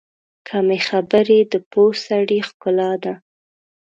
کمې خبرې، د پوه سړي ښکلا ده.